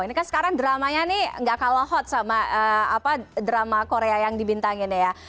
ini kan sekarang dramanya nih gak kalah hot sama drama korea yang dibintangin ya